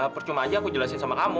percuma aja aku jelasin sama kamu